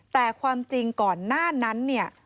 แต่ความจริงก่อนหน้านั้นเนี่ย